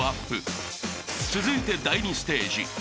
［続いて第２ステージ。